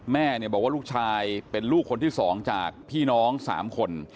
แม่บอกว่าลูกชายเป็นลูกคนที่๒จากพี่น้อง๓คน